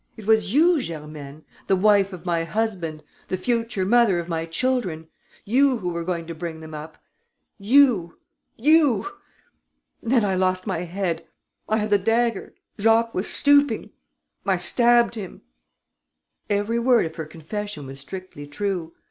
It was you, Germaine, the wife of my husband, the future mother of my children, you, who were going to bring them up ... you, you! ... Then I lost my head. I had the dagger ... Jacques was stooping ... I stabbed him...." Every word of her confession was strictly true.